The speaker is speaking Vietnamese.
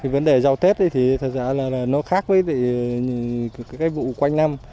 vấn đề rau tết thì thật ra là nó khác với cái vụ quanh năm